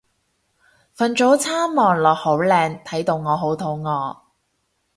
份早餐望落好靚睇到我好肚餓